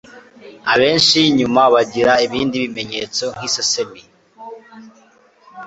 Abenshi nyuma bagira n'ibindi bimenyetso nk'isesemi